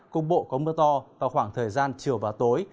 cục bộ có mưa to vào khoảng thời gian chiều và tối